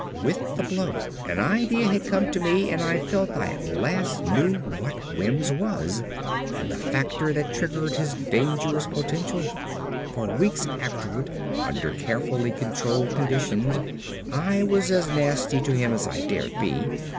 With the blow an idea had come to me and I felt I at last knew what Wims was and the factor that triggered his dangerous potential. For weeks afterward, under carefully controlled conditions, I was as nasty to him as I dared be.